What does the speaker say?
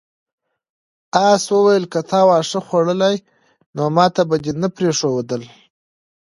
آس وویل که تا واښه خوړلی نو ماته به دې نه پریښودل.